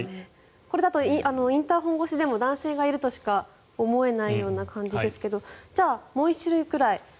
これだとインターホン越しでも男性がいるとしか思えないような感じですがじゃあ、もう１種類くらい。